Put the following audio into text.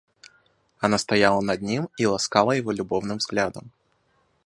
Она стояла над ним и ласкала его любовным взглядом.